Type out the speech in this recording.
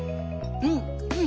うんうん。